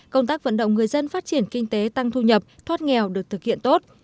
công tác vận động người dân phát triển kinh tế tăng thu nhập thoát nghèo được thực hiện tốt